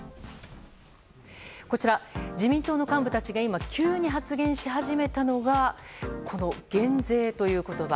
こちら、自民党の幹部たちが今、急に発言し始めたのが減税という言葉。